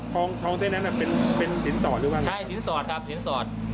ทองเส้นนั้นเป็นเป็นสินสอดหรือว่าใช่สินสอดครับสินสอด